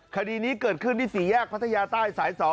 คดีนี้เกิดขึ้นที่๔แยกพัทยาใต้สาย๒